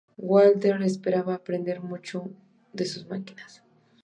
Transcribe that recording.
Walter esperaba aprender mucho de sus máquinas.